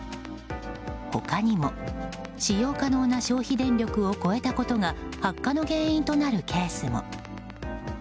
他にも、使用可能な消費電力を超えたことが発火の原因となるケースも。